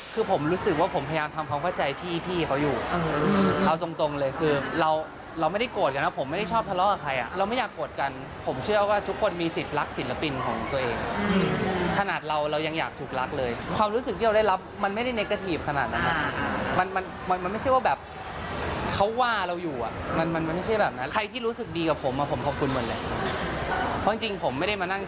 เพราะจริงผมไม่ได้มานั่งคิดไม่ดีกับคนอื่น